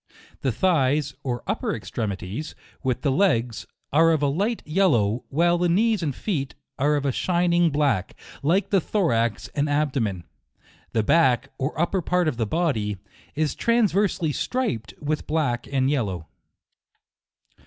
The thighs, or upper extremities, with the legs, are of a light yel low, while the knees and feet are of a shining ' black, like the thorax and abdomen. The back, or upper part of the body, is transverse ly striped with black and yellow.